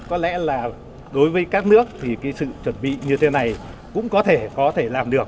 có lẽ là đối với các nước thì sự chuẩn bị như thế này cũng có thể làm được